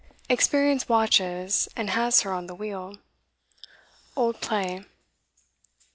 Experience watches, And has her on the wheel Old Play.